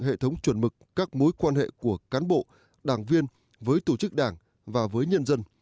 hệ thống chuẩn mực các mối quan hệ của cán bộ đảng viên với tổ chức đảng và với nhân dân